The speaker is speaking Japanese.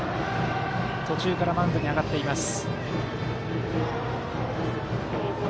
途中からマウンドに上がっています。